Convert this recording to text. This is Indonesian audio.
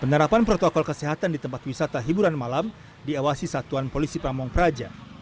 penerapan protokol kesehatan di tempat wisata hiburan malam diawasi satuan polisi pamung praja